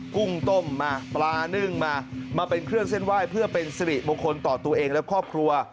กุ้งต้มมาปลานึ่งมามาเป็นเครื่องเส้นไหว้เพื่อเป็นสิริมงคลต่อตัวเองและครอบครัว